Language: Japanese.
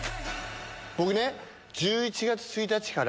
僕ね、１１月１日から、